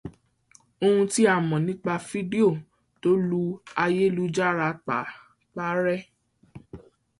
Ohun tí a mọ̀ nípa fídíò tó lu ayélujára pa rèé.